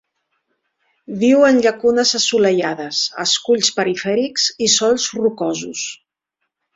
Viu en llacunes assolellades, esculls perifèrics i sòls rocosos.